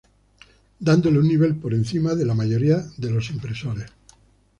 Dándole un nivel por encima de la mayoría de impresores.